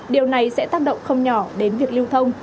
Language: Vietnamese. điều này sẽ tác động không nhỏ đến việc lưu thông